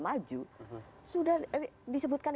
maju sudah disebutkan